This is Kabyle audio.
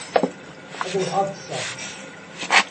Ad ruḥeɣ ad ṭṭseɣ.